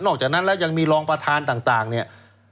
อกจากนั้นแล้วยังมีรองประธานต่างเนี่ย